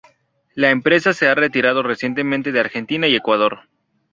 La empresa se ha retirado recientemente de Argentina y Ecuador.